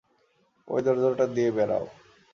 ঐ দরজাটা দিয়ে বেরাও।